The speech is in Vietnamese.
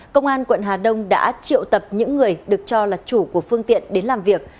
công an quận hà đông đã triệu tập những người được cho là chủ của phương tiện đến làm việc